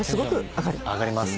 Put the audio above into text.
上がります。